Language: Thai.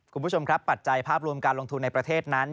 คุณผู้ชมครับปัจจัยภาพรวมการลงทุนในประเทศนั้น